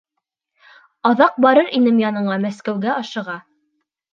Аҙаҡ барыр инем янына, Мәскәүгә ашыға.